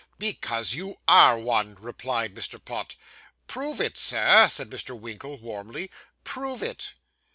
'Because you are one,' replied Mr. Pott. 'Prove it, Sir,' said Mr. Winkle warmly. 'Prove it.